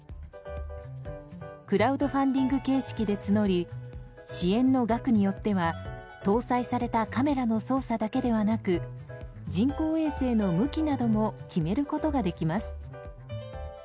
クラウドファンディング形式で募り支援の額によっては、搭載されたカメラの操作だけではなく人工衛星の向きなども決めることができます。